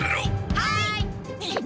はい！